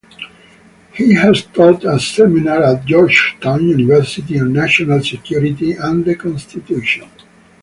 He has taught a seminar at Georgetown University on national security and the Constitution.